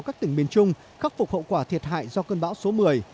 các tỉnh miền trung khắc phục hậu quả thiệt hại do cơn bão số một mươi